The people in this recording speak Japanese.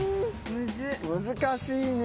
難しいね。